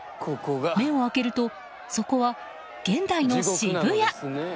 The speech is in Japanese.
目を開けるとそこは現代の渋谷。